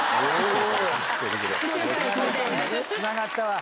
つながったわ！